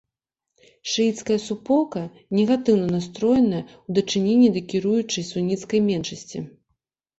Шыіцкая суполка негатыўна настроеная ў дачыненні да кіруючай суніцкай меншасці.